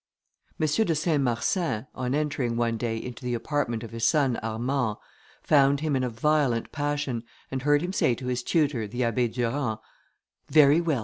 M. de Saint Marsin, on entering one day into the apartment of his son Armand, found him in a violent passion, and heard him say to his tutor, the Abbé Durand, "Very well!